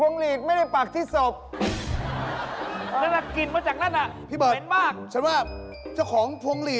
ไม่ต้องมาขอรับบริจาคหรอกครับ